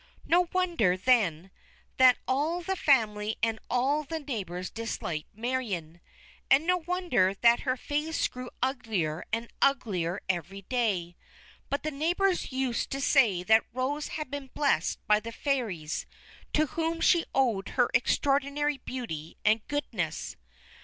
No wonder, then, that all the family and all the neighbours disliked Marion; and no wonder that her face grew uglier and uglier every day. But the neighbours used to say that Rose had been blessed by the Fairies, to whom she owed her extraordinary beauty and goodness.